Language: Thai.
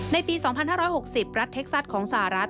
ในปี๒๕๖๐รัฐเท็กซัสของสหรัฐ